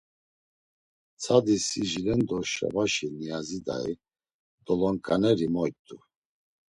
Ptsadisi jilendo Şabaşi Niyazi dayi, dolonǩaneri moyt̆u.